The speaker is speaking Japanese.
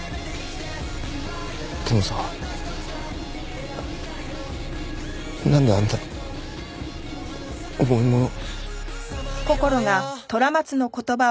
でもさなんであんな重いもの。